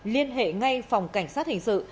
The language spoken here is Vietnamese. liên hệ ngay phòng cảnh sát hình sự